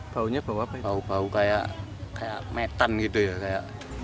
bau bau kayak metan gitu ya